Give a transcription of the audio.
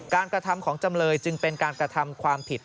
กระทำของจำเลยจึงเป็นการกระทำความผิด